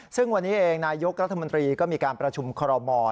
ซึ่งวันนี้เองนายกรัฐมนตรีก็มีการประชุมคอรมอล